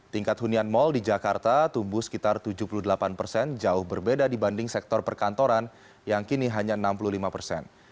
tingkat hunian mal di jakarta tumbuh sekitar tujuh puluh delapan persen jauh berbeda dibanding sektor perkantoran yang kini hanya enam puluh lima persen